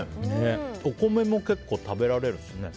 お米も結構食べられるんですね。